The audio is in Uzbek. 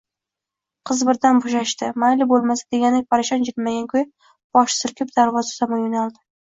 Qiz birdan boʼshashdi. «Mayli, boʼlmasa», degandek parishon jilmaygan kuyi bosh silkib, darvoza tomon yoʼnaldi.